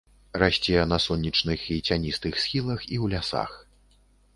Расце на сонечных і цяністых схілах і ў лясах.